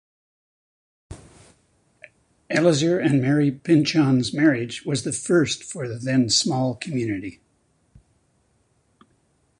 Elizur and Mary Pynchon's marriage was the first for the then small community.